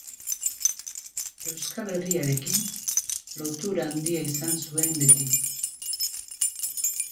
Euskal Herriarekin lotura handia izan zuen beti.